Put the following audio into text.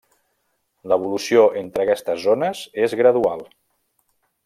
L'evolució entre aquestes zones és gradual.